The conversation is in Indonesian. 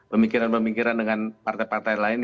pemikiran pemikiran dengan partai partai lain